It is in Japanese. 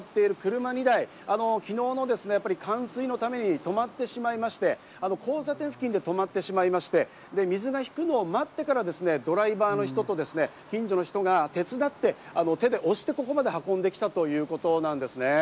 斜めに止まっている車２台、昨日の冠水のために止まってしまいまして、交差点付近で止まってしまいまして、水が引くのを待ってからドライバーの人と近所の人が手伝って、手で押してここまで運んできたということなんですね。